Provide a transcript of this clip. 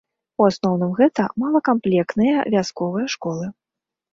У асноўным, гэта малакамплектныя вясковыя школы.